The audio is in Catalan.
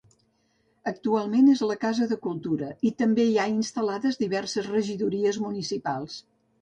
Actualment és la Casa de Cultura i també hi ha instal·lades diverses regidories municipals.